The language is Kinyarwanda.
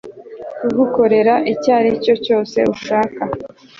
kugukorera icyaricyo cyose ushaka